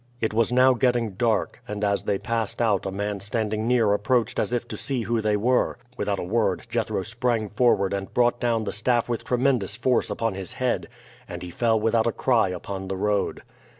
It was now getting dark, and as they passed out a man standing near approached as if to see who they were. Without a word Jethro sprang forward and brought down the staff with tremendous force upon his head, and he fell without a cry upon the road.